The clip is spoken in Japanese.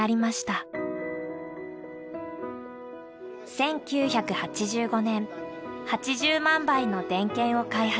１９８５年８０万倍のデンケンを開発。